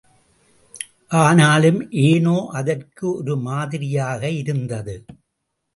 ஆனாலும், ஏனோ அதற்கு ஒரு மாதிரியாக இருந்தது.